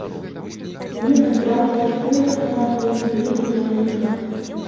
Яны адбіралі толькі тыя экспанаты, якія былі на беларускай мове.